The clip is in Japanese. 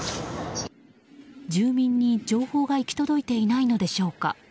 住民に情報が行き届いていないのでしょうか。